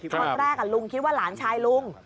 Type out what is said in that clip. ตอนแรกลุงคิดว่าหลานชายลุง